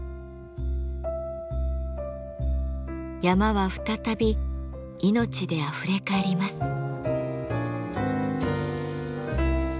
山は再び命であふれかえります。